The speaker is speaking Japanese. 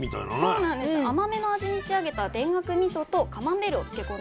甘めの味に仕上げた田楽みそとカマンベールを漬け込んだチーズとなっています。